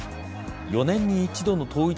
４年に一度の統一